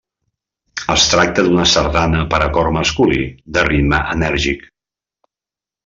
Es tracta d'una sardana per a cor masculí de ritme enèrgic.